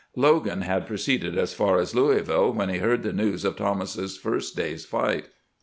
Logan had proceeded as far as Louisville when he heard the news of Thomas's first day's fight.